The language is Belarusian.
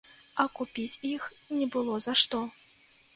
А купіць іх не было за што.